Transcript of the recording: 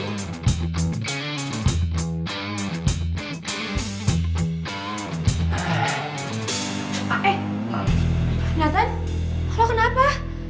eh nathan lo kenapa